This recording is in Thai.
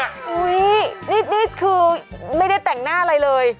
นี่คือไม่ได้แต่งหน้าอะไรเลย